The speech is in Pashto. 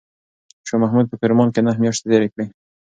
شاه محمود په کرمان کې نهه میاشتې تېرې کړې.